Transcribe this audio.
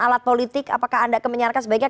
alat politik apakah anda kemenyarankan sebaiknya